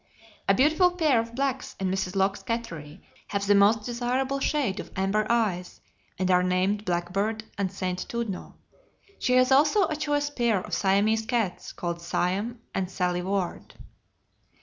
A beautiful pair of blacks in Mrs. Locke's cattery have the most desirable shade of amber eyes, and are named "Blackbird" and "St. Tudno"; she has also a choice pair of Siamese cats called "Siam" and "Sally Ward."